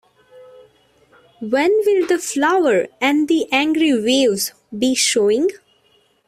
When will The Flower and the Angry Waves be showing?